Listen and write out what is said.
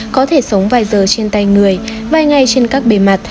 có thể sống vài giờ trên tay người vài ngày trên các bề mặt